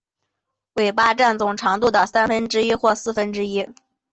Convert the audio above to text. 尾巴占总长度的三分之一或四分之一。